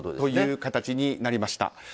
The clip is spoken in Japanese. そういう形になりました。